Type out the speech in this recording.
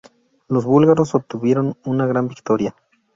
Los búlgaros obtuvieron una gran victoria.